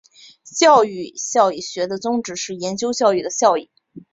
教育效益学的宗旨是研究教育的效益。